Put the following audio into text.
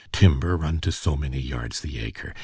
'_Timber, run to so many yards the acre.